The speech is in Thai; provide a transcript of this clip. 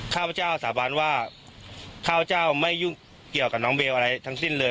ข้าพเจ้าสาบานว่าข้าพเจ้าไม่ยุ่งเกี่ยวกับน้องเบลอะไรทั้งสิ้นเลย